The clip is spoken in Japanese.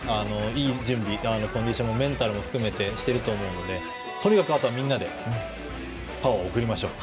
いい準備コンディション、メンタル含めしていると思うのでとにかく、あとはみんなでパワーを送りましょう。